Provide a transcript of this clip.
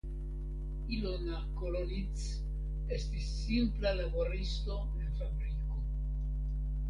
Ilona Kolonits estis simpla laboristo en fabriko.